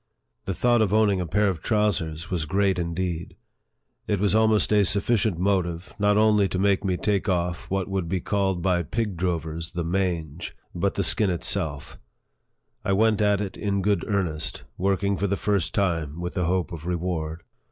The thought of owning a pair of trousers was great indeed ! It was almost a sufficient motive, not only to make me take off what would be called by pig drovers the mange, but the skin itself. I went at it in good earnest, work ing for the first time with the hope of reward.